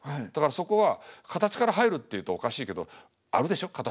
だからそこは形から入るっていうとおかしいけどあるでしょ？